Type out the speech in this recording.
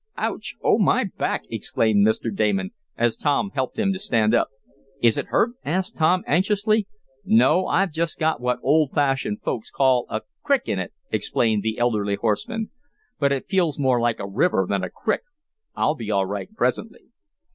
"Ouch! Oh, my back!" exclaimed Mr. Damon, as Tom helped him to stand up. "Is it hurt?" asked Tom, anxiously. "No, I've just got what old fashioned folks call a 'crick' in it," explained the elderly horseman. "But it feels more like a river than a 'crick.' I'll be all right presently."